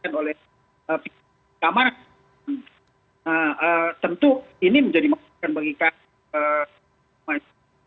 dan oleh pihak keamanan tentu ini menjadi maksimal bagi kami